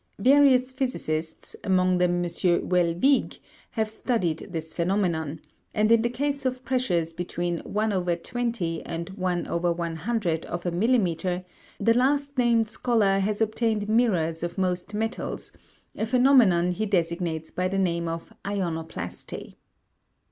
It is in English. Various physicists, among them M. Houllevigue, have studied this phenomenon, and in the case of pressures between 1/20 and 1/100 of a millimetre, the last named scholar has obtained mirrors of most metals, a phenomenon he designates by the name of ionoplasty.